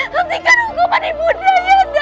hentikan hukuman ibu kanda